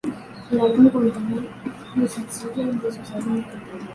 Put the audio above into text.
El álbum contiene los sencillos de sus álbumes anteriores.